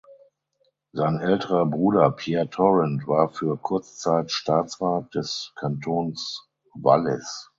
Sein älterer Bruder Pierre Torrent war für kurze Zeit Staatsrat des Kantons Wallis.